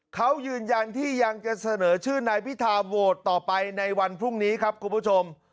เขายืนยันที่ยังจะเสนอชื่อนายพิธาโหวตต่อไปในวันพรุ่งนี้ครับคุณผู้ชม